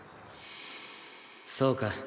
そうか。